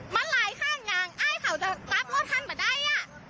มันไล่ข้างง่างอ้ายเขาจะปั๊บรถให้ไหมด้ายอ่ะ